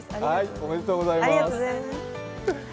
おめでとうございます。